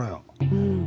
うん。